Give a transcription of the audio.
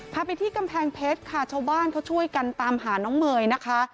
พาไปที่กำแพงเพชรค่ะชาวบ้านเขาช่วยกันตามหาน้องเมย์นะคะ